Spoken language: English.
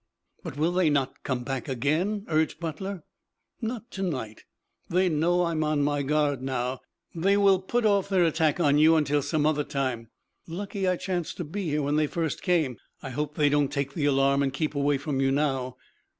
"But, will they not come back again?" urged Butler. "Not to night. They know I am on my guard now. They will put off their attack on you until some other time. Lucky I chanced to be here when they first came. I hope they don't take the alarm and keep away from you now."